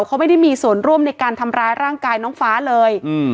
เขาไม่ได้มีส่วนร่วมในการทำร้ายร่างกายน้องฟ้าเลย